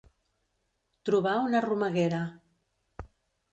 Trobar una romeguera.